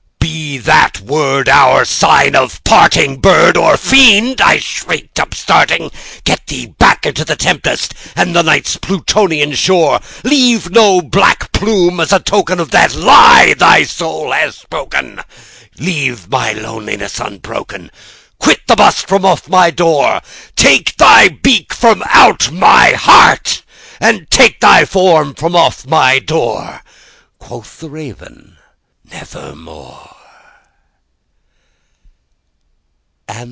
"Be that word our sign of parting, bird or fiend!" I shrieked, upstarting:"Get thee back into the tempest and the Night's Plutonian shore! Leave no black plume as a token of that lie thy soul hath spoken! Leave my loneliness unbroken! quit the bust above my door! Take thy beak from out my heart, and take thy form from off my door!"Quoth the Raven, "Nevermore."